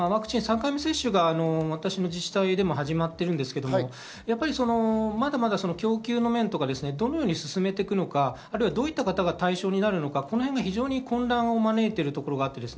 ３回目接種が私の自治体でも始まってるんですが、まだまだ供給の面とか、どのように進めていくのか、どういった方が対象になるのか、その変が混乱を招いているところがあります。